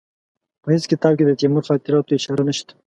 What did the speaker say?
په هېڅ کتاب کې د تیمور خاطراتو ته اشاره نشته.